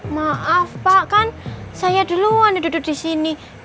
maaf pak kan saya duluan duduk di sini